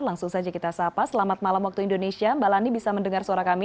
langsung saja kita sapa selamat malam waktu indonesia mbak lani bisa mendengar suara kami